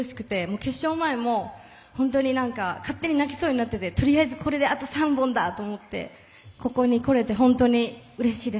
決勝前も、本当に勝手に泣きそうになっていてとりあえずこれであと３本だと思ってここに来れて本当にうれしいです。